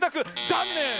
ざんねん！